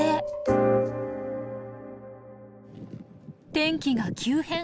天気が急変！